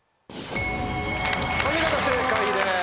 お見事正解です！